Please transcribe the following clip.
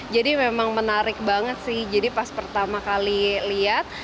memang menarik banget sih jadi pas pertama kali lihat